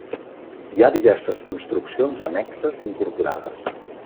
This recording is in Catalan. Hi ha diverses construccions annexes incorporades.